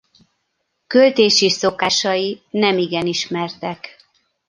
Költési szokásai nemigen ismertek.